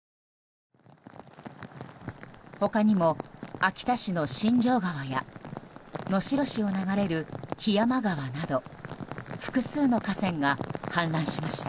他にも秋田市の新城川や能代市を流れる檜山川など複数の河川が氾濫しました。